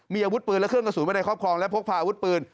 มีอาวุธปืนและเครื่องกระสุนไว้ในครอบครองและพกพาอาวุธปืน